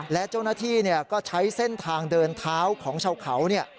และเจ้าหน้าที่ก็ใช้เส้นทางเดินเท้าของชาวเขา